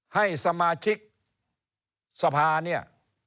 ให้สมาชิกสภาเนี่ย